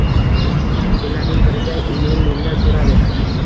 Kunlarning birida imom mendan so`radi